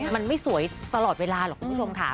มันไม่สวยตลอดเวลาหรอกคุณผู้ชมค่ะ